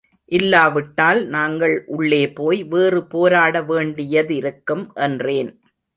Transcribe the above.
இல்லாவிட்டால் நாங்கள் உள்ளேபோய் வேறு போராட வேண்டியதிருக்கும். என்றேன்.